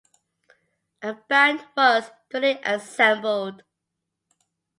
A band was duly assembled.